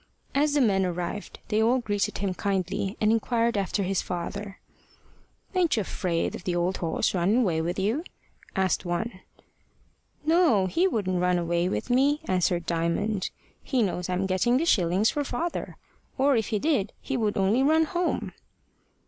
As the men arrived they all greeted him kindly, and inquired after his father. "Ain't you afraid of the old 'oss running away with you?" asked one. "No, he wouldn't run away with me," answered Diamond. "He knows I'm getting the shillings for father. Or if he did he would only run home."